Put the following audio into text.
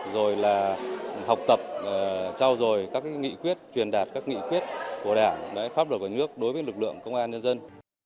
rồi là học tập trao dồi các nghị quyết truyền đạt các nghị quyết của đảng pháp luật của nước đối với lực lượng công an nhân dân